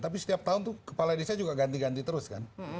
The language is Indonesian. tapi setiap tahun tuh kepala desa juga ganti ganti terus kan